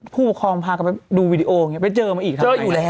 ผู้ปกครองพาเขาไปดูวิดีโอไปเจอมาอีกทำงานยังไง